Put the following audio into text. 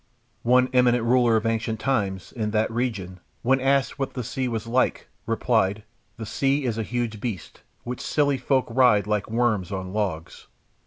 One eminent ruler of ancient times, in that region, when asked what the sea was like, replied, "The sea is a huge beast which silly folk ride like worms on logs."